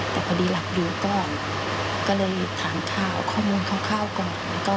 แต่พอดีหลับอยู่ก็เลยถามข่าวข้อมูลคร่าวก่อน